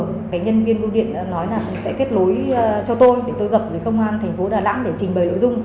cái nhân viên bưu điện nói là sẽ kết lối cho tôi để tôi gặp với công an thành phố đà lẵng để trình bày nội dung